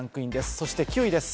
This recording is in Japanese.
そして９位です。